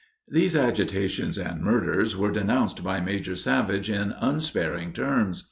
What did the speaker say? These agitations and murders were denounced by Major Savage in unsparing terms.